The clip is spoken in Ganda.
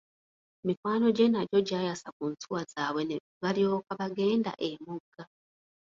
Mikwano gye nagyo gyayasa ku nsuwa zaabwe ne balyoka bagendae emugga.